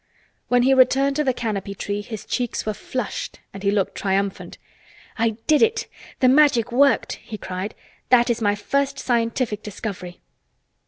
When he returned to the canopy tree his cheeks were flushed and he looked triumphant. "I did it! The Magic worked!" he cried. "That is my first scientific discovery."